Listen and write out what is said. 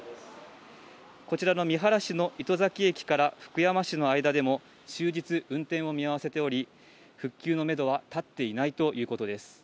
こちらの三原市の糸崎駅から福山市の間でも、終日運転を見合わせており、復旧のメドは立っていないということです。